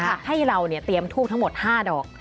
เอาท่องครั้งแรกนะให้เราเนี่ยเตรียมทูกทั้งหมด๕ดอก